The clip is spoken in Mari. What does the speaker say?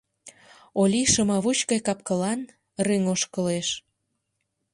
Олий шымавуч гай капкылан, рыҥ ошкылеш.